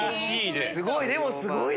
すごい！